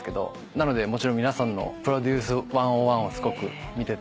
なのでもちろん皆さんの『ＰＲＯＤＵＣＥ１０１』をすごく見てて。